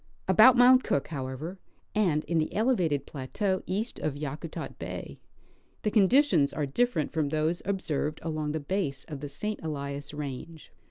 Al)Out Mount Cook, however, and in the elevated plateau east of Yakutat bay, the conditions are different from those observed along the base of the St. Elias range.